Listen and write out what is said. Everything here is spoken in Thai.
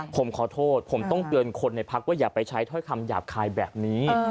ผมขอโทษผมต้องเตือนคนในพักว่าอย่าไปใช้ถ้อยคำหยาบคายแบบนี้